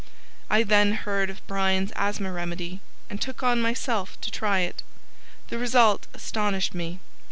I then heard of Bryans' Asthma Remedy and took on myself to try it. The result astonished me.